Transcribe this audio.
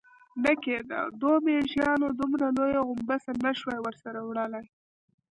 نه کېده، دوو مېږيانو دومره لويه غومبسه نه شوای ورسره وړلای.